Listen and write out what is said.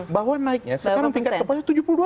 bahwa naiknya sekarang tingkat kepuasannya